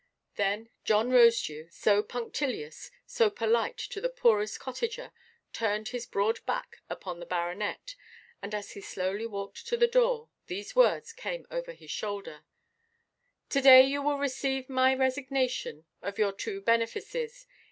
Then John Rosedew, so punctilious, so polite to the poorest cottager, turned his broad back upon the baronet, and as he slowly walked to the door, these words came over his shoulder:— "To–day you will receive my resignation of your two benefices.